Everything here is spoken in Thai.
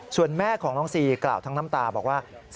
ส่วนแม่ของน้องซีกล่าวทั้งน้ำตาบอกว่า